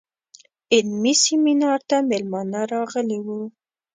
علمي سیمینار ته میلمانه راغلي وو.